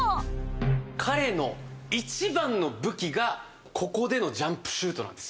彼の一番の武器が、ここでのジャンプシュートなんです。